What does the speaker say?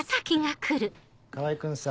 川合君さ